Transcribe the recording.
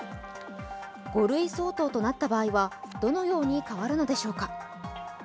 ５類相当となった場合はどのように変わるのでしょうか。